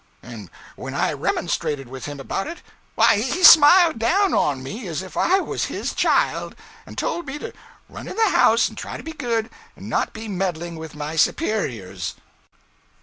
And when I remonstrated with him about it, he smiled down on me as if I was his child, and told me to run in the house and try to be good, and not be meddling with my superiors!'